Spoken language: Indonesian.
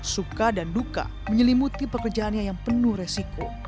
suka dan duka menyelimuti pekerjaannya yang penuh resiko